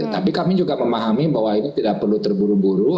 tapi kami juga memahami bahwa ini tidak perlu terburu buru